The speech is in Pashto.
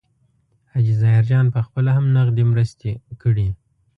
حاجي ظاهرجان پخپله هم نغدي مرستې کړي.